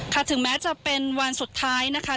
ถึงแม้จะเป็นวันสุดท้ายนะคะ